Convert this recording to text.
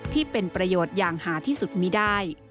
ที่เป็นประโยชน์อย่างหาที่สุดมีได้